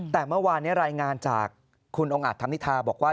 แต่เมื่อวานนี้รายงานจากคุณองค์อาจธรรมนิทาบอกว่า